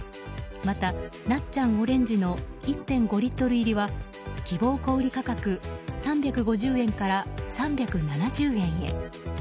また、なっちゃんオレンジの１．５リットル入りは希望小売価格３５０円から３７０円へ。